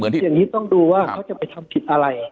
อย่างนี้ต้องดูว่าเขาจะไปทำผิดอะไร